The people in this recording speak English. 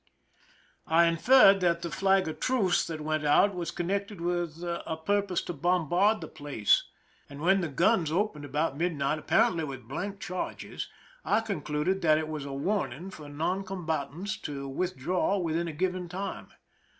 I inferred that the flag of truce that went out was connected with a purpose to bombard the place, and 285 THE SINKING OF THE "MERRIMAC" when the guns opened about midnight, apparently with blank charges, I concluded that it was a warn ing for non combatants to withdraw within a given time.